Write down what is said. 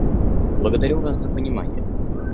Благодарю вас за понимание.